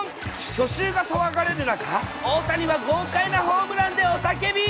去就が騒がれる中、大谷は豪快なホームランで雄たけび。